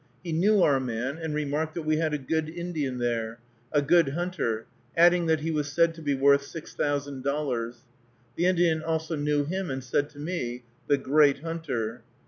He knew our man, and remarked that we had a good Indian there, a good hunter; adding that he was said to be worth $6000. The Indian also knew him, and said to me, "the great hunter."